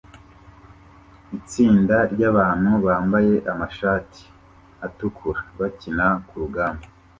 Itsinda ryabantu bambaye amashati atukura bakina kurugamba